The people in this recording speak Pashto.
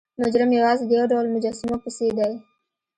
مجرم یوازې د یو ډول مجسمو پسې دی.